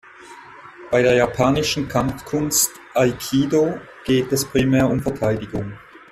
Bei der japanischen Kampfkunst Aikido geht es primär um Verteidigung.